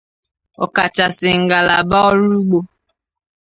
ọkachasị ngalaba ọrụ ugbo